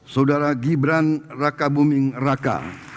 saudara gibran raka buming raka